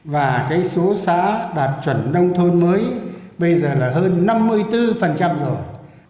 và cái số xã đạt chuẩn nông thôn mới bây giờ là hơn năm mươi bốn rồi